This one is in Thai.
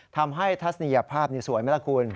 ทัศนียภาพนี่สวยไหมล่ะคุณ